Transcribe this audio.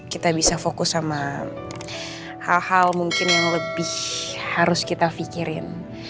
kita bisa fokus sama hal hal mungkin yang lebih harus kita pikirin